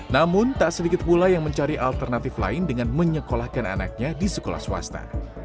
namun tak sedikit pula yang mencari alternatif lain dengan menyekolahkan anaknya di sekolah swasta